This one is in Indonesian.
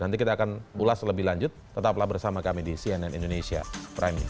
nanti kita akan ulas lebih lanjut tetaplah bersama kami di cnn indonesia prime news